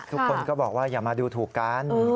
ทุกคนก็บอกว่าอย่ามาดูถูกกัน